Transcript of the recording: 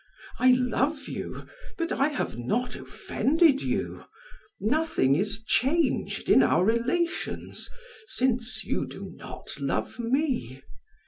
I love you, but I have not offended you; nothing is changed in our relations since you do not love me.